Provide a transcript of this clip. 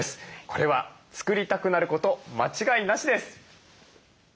これは作りたくなること間違いなしです。